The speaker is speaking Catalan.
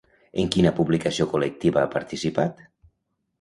En quina publicació col·lectiva ha participat?